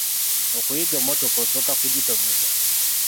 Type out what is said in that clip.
Okuyiga emmotoka osooka kugitomeza.